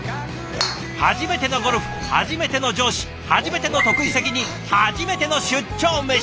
初めてのゴルフ初めての上司初めての得意先に初めての出張メシ！